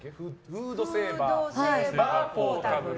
フードセーバーポータブル